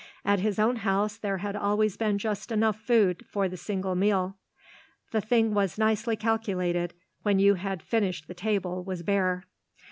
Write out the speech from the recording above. At his own house there had always been just enough food for the single meal. The thing was nicely calculated, when you had finished the table was bare.